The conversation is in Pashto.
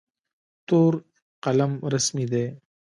تور قلم رسمي دی.